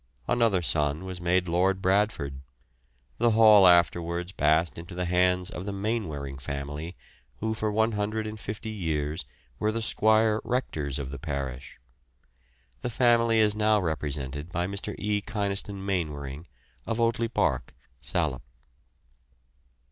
Another son was made Lord Bradford. The hall afterwards passed into the hands of the Mainwaring family, who for 150 years were the squire rectors of the parish. The family is now represented by Mr. E. Kynaston Mainwaring, of Oteley Park, Salop.